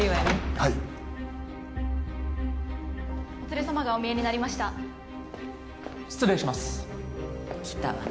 はいお連れ様がおみえになりました失礼します来たわね